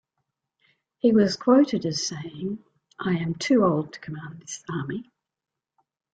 He was quoted as saying, I am too old to command this army.